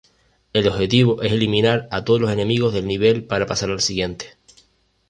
El objetivo es eliminar a todos los enemigos del nivel para pasar al siguiente.